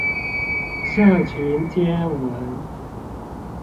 社群貼文